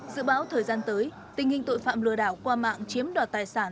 dự báo thời gian tới tình hình tội phạm lừa đảo qua mạng chiếm đoạt tài sản